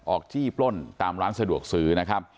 ออกจี้ปล้นตามร้านสะดวกซื้อ